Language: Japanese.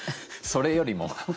それよりも。